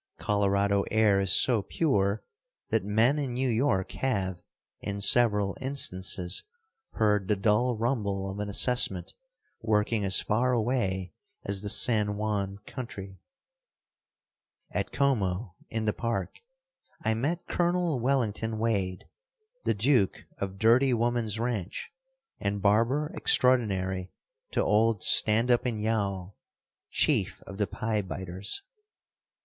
Colorado air is so pure that men in New York have, in several instances, heard the dull rumble of an assessment working as far away as the San Juan country. At Como, in the park, I met Col. Wellington Wade, the Duke of Dirty Woman's Ranch, and barber extraordinary to old Stand up and Yowl, chief of the Piebiters.